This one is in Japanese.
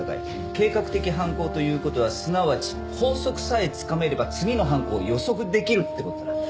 計画的犯行という事はすなわち法則さえつかめれば次の犯行を予測できるって事だ。